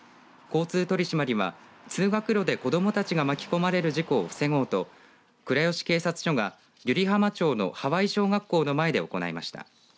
交通取締りは通学路で子どもたちが巻き込まれる事故を防ごうと倉吉警察署が湯梨浜町の羽合小学校の前で行いました。